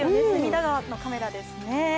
隅田川のカメラですね。